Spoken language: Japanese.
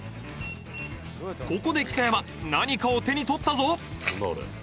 ここで北山何かを手に取ったぞ